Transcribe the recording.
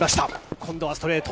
今度はストレート。